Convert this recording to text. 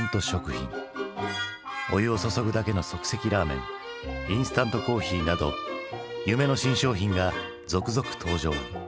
お湯を注ぐだけの即席ラーメンインスタントコーヒーなど夢の新商品が続々登場。